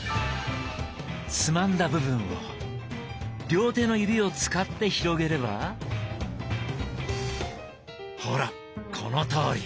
つまんだ部分を両手の指を使って広げればほらこのとおり！